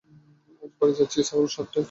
আজ বাড়ি যাচ্ছি, সাতটায় গাড়ি।